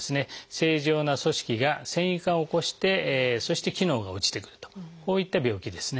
正常な組織が線維化を起こしてそして機能が落ちてくるとこういった病気ですね。